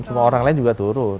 semua orang lain juga turun